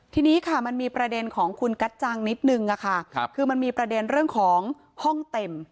ทีนี้ค่ะมันมีประเด็นของคุณกัจจังนิดนึงค่ะคือมันมีประเด็นเรื่องของห้องเต็ม